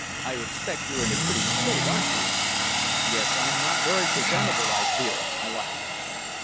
I expect you're in a pretty state, aren't you?" "Yes; I'm not very presentable, I fear," I laughed.